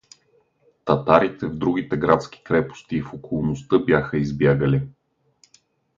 Татарите в другите градски крепости и в околността бяха избягали.